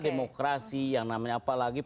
demokrasi yang namanya apalagi